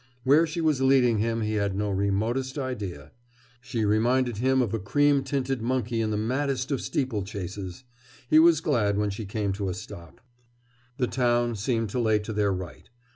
Where she was leading him he had no remotest idea. She reminded him of a cream tinted monkey in the maddest of steeplechases. He was glad when she came to a stop. The town seemed to lay to their right.